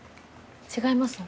違います？